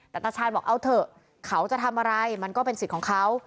แต่ตาชาญบอกเอาเถอะเขาจะทำอะไรมันก็เป็นสิทธิ์ของเขา